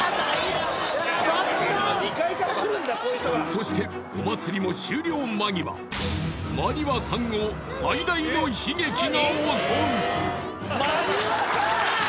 そしてお祭りも終了間際馬庭さんを最大の悲劇が襲う！